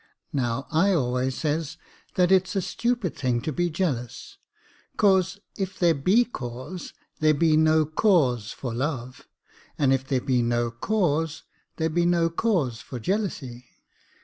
Now, I always says that it's a stupid thing to be jealous, ^cause if there be cause, there be no cause for love ; and if there be no cause, there be no cause for jealousy."